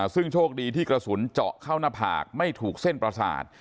ซึ่งโชคดีที่กระสุนเจาะเข้าหน้าผากไม่ถูกเส้นประสาท